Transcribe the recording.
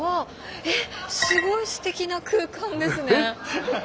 すごいすてきな空間ですね。